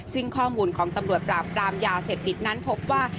ซึ่งข้อมูลของตำรวจปราบปรามยาเสพติดนั้นพบว่า